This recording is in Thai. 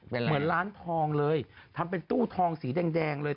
เหมือนร้านทองเลยทำเป็นตู้ทองสีแดงเลย